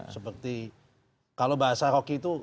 seperti kalau bahasa rocky itu